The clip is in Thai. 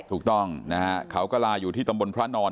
ถูกต้องนะฮะเขากระลาอยู่ที่ตำบลพระนอน